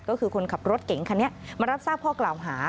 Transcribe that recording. ก็คือคนขับรถเก่งคันนี้มารับทราบข้อกล่าวหา